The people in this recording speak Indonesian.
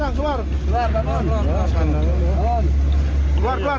keluar keluar keluar